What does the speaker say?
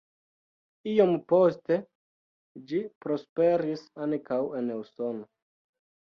Iom poste ĝi prosperis ankaŭ en Usono.